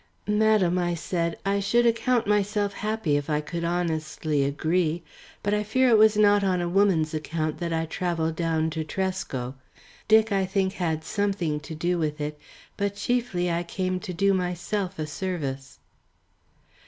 "Madam," I said, "I should account myself happy if I could honestly agree, but I fear it was not on a woman's account that I travelled down to Tresco. Dick I think had something to do with it, but chiefly I came to do myself a service."